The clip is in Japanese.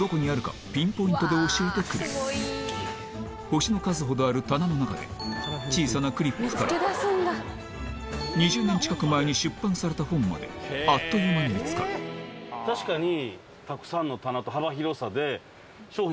星の数ほどある棚の中で小さなクリップから２０年近く前に出版された本まであっという間に見つかる確かに。